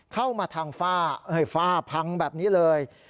เข้ามาทางฝ้าฝ้าพังแบบนี้เลย